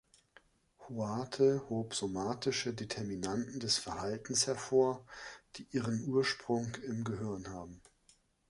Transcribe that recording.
Huarte hob „somatische Determinanten des Verhaltens“ hervor, die ihren Ursprung im Gehirn haben.